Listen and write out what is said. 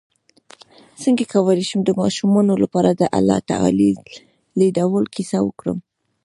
څنګه کولی شم د ماشومانو لپاره د الله تعالی لیدلو کیسه وکړم